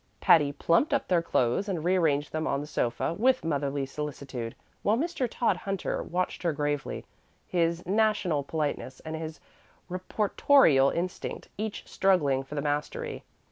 Patty plumped up their clothes and rearranged them on the sofa with motherly solicitude, while Mr. Todhunter watched her gravely, his national politeness and his reportorial instinct each struggling for the mastery.